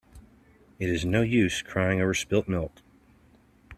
It is no use crying over spilt milk.